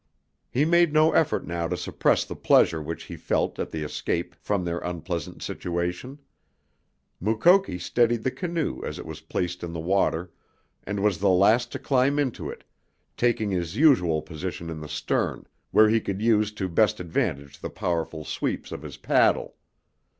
He made no effort now to suppress the pleasure which he felt at the escape from their unpleasant situation. Mukoki steadied the canoe as it was placed in the water, and was the last to climb into it, taking his usual position in the stern where he could use to best advantage the powerful sweeps of his paddle.